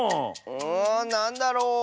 うんなんだろう？